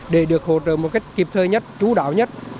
để được hỗ trợ một cách kịp thời nhất chú đáo nhất